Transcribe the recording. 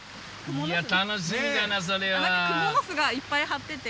いや楽しみだなそれは。